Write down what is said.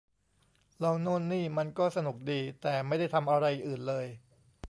ลองโน่นนี่มันก็สนุกดี แต่ไม่ได้ทำอะไรอื่นเลย